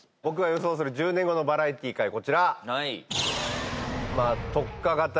僕が予想する１０年後のバラエティー界こちら。